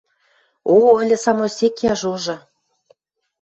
О, ыльы самой сек яжожы.